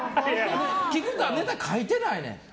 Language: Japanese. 菊田、ネタ書いてないねん。